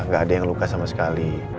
gak ada yang luka sama sekali